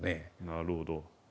なるほど。